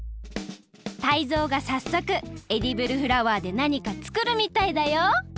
タイゾウがさっそくエディブルフラワーでなにかつくるみたいだよ！